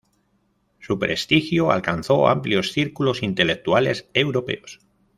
Su prestigio alcanzó amplios círculos intelectuales europeos.